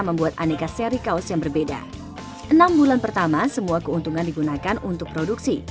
membuat aneka seri kaos yang berbeda enam bulan pertama semua keuntungan digunakan untuk produksi